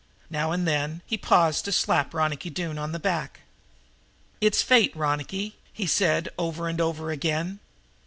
Now and then he paused to slap Ronicky Doone on the back. "It's fate, Ronicky," he said, over and over again.